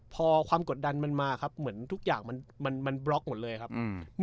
พอความกดดันมันมาครับเหมือนทุกอย่างมันมันบล็อกหมดเลยครับอืม